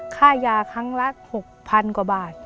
ค่ายาครั้งละ๖๐๐๐กว่าบาท